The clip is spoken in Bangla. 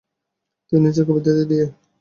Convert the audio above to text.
তিনি নিচের কবিতা দিয়ে